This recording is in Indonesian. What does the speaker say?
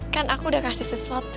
kan aku udah kasih sesuatu